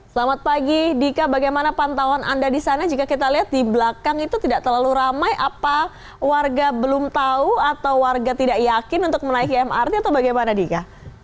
selamat pagi dika bagaimana pantauan anda di sana jika kita lihat di belakang itu tidak terlalu ramai apa warga belum tahu atau warga tidak yakin untuk menaiki mrt atau bagaimana dika